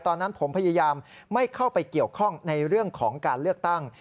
ตอนนั้นผมพยายามไม่เข้าไปเกี่ยวข้องในเรื่องของการเลือกตั้ง